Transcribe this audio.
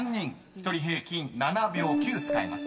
［１人平均７秒９使えます］